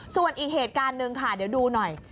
ส่วนอีกเหตุการณ์หนึ่งค่ะเดี๋ยวดูหน่อย